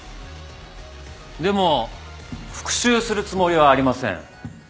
でも復讐するつもりはありません。